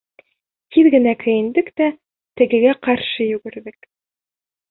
Тиҙ генә кейендек тә, тегегә ҡаршы йүгерҙек.